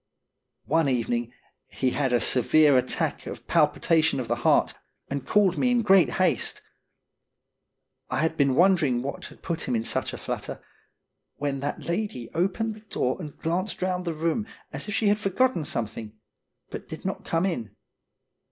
One evening he had a severe attack of pal pitation of the heart, and called me in great haste. I had been wondering what had put him in such a flutter, when that lady opened the door and glanced round the room as if she had forgotten something, but did not come in.